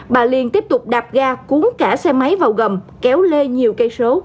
bà liên tiếp tục đạp ga cuốn cả xe máy vào gầm kéo lê nhiều cây số